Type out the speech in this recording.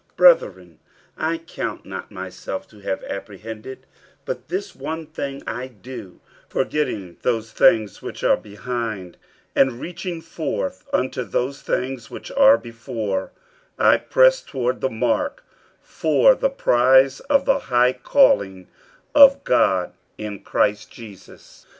50:003:013 Brethren, I count not myself to have apprehended: but this one thing I do, forgetting those things which are behind, and reaching forth unto those things which are before, 50:003:014 I press toward the mark for the prize of the high calling of God in Christ Jesus.